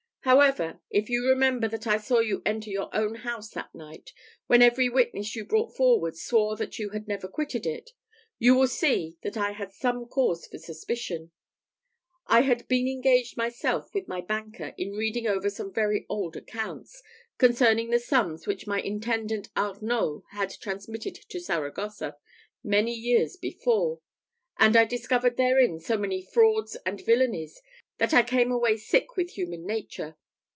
However, if you remember that I saw you enter your own house that night, when every witness you brought forward swore that you had never quitted it, you will see that I had some cause for suspicion. I had been engaged myself with my banker in reading over some very old accounts, concerning the sums which my intendant Arnault had transmitted to Saragossa, many years before; and I had discovered therein so many frauds and villanies, that I came away sick with human nature.